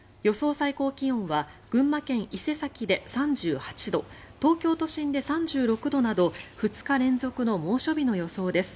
最高気温は群馬県伊勢崎で３８度東京都心で３６度など２日連続の猛暑日の予想です。